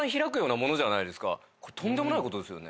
これとんでもないことですよね。